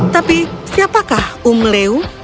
tapi siapakah umleu